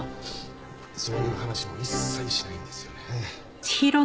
そういう話も一切しないんですよねえ。